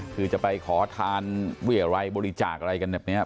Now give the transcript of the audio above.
คือจะไปขอทานเวียรัยบริจาคอะไรกันแบบนี้